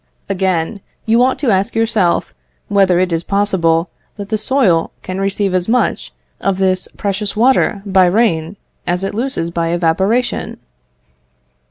Again, you ought to ask yourself whether it is possible that the soil can receive as much of this precious water by rain as it loses by evaporation?